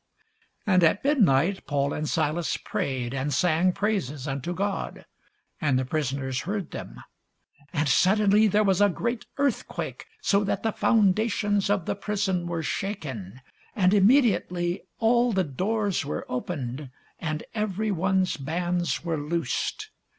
And at midnight Paul and Silas prayed, and sang praises unto God: and the prisoners heard them. And suddenly there was a great earthquake, so that the foundations of the prison were shaken: and immediately all the doors were opened, and every one's bands were loosed.